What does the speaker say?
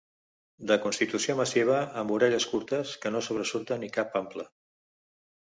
De constitució massiva, amb orelles curtes, que no sobresurten i cap ample.